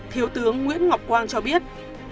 thiếu tướng nguyễn ngọc quang cho biết